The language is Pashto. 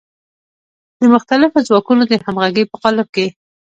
د مختلفو ځواکونو د همغږۍ په قالب کې.